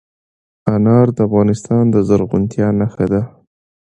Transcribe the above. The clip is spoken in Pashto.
انار د افغانستان د زرغونتیا نښه ده.